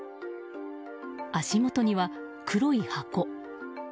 足元には黒い箱。